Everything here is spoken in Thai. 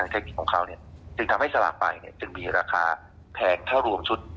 ทำให้สระไปก็มีราคาแพงเท่ารวมชุด